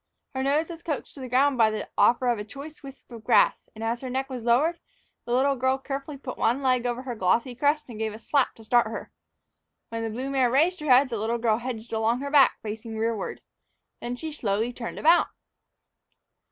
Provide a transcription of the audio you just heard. Her nose was coaxed to the ground by the offer of a choice wisp of grass, and, as her neck was lowered, the little girl carefully put one leg over her glossy crest and gave her a slap to start her, when the blue mare raised her head and the little girl hedged along to her back, facing rearward. Then she slowly turned about!